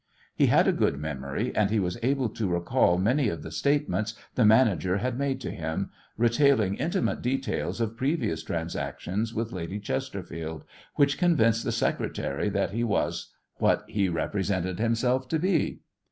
He had a good memory, and he was able to recall many of the statements the manager had made to him, retailing intimate details of previous transactions with Lady Chesterfield which convinced the secretary that he was what he represented himself to be.